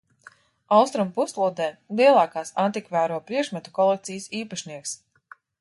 Austrumu puslodē lielākās antikvāro priekšmetu kolekcijas īpašnieks.